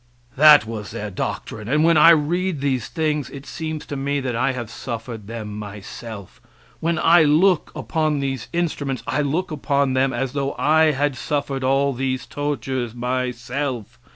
That was their doctrine, and when I read these things it seems to me that I have suffered them myself. When I look upon those instruments I look upon them as though I had suffered all these tortures myself.